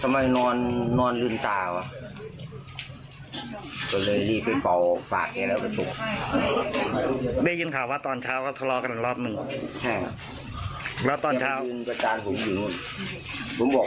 ทำไมนอนลื่นตาวะกับเลยรีดไปเฝาฝากแกแล้วแล้วก็ตุก